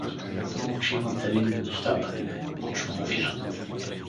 Само че имат един недостатък, мъчно увират.